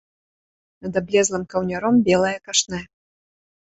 Над аблезлым каўняром белае кашнэ.